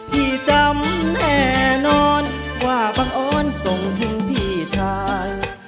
พี่จำแน่นอนว่าบังออนส่งถึงพี่ชาย